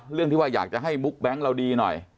เรื่องที่ว่าอยากจะให้มุกแบงค์เราดีหน่อย